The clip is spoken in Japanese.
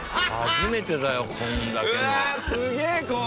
初めてだよこれだけの。